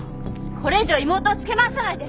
これ以上妹を付け回さないで